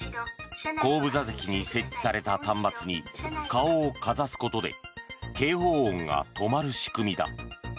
後部座席に設置された端末に顔をかざすことで警報音が止まる仕組みだ。